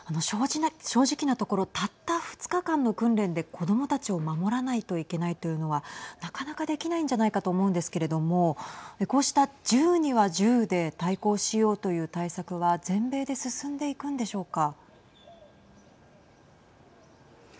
正直なところたった２日間の訓練で子どもたちを守らないといけないというのはなかなかできないんじゃないかと思うんですけれどもこうした銃には銃で対抗しようという対策は全米で進んでいくんでしょうか。